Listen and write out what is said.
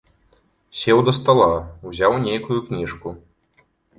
Сеў да стала, узяў нейкую кніжку.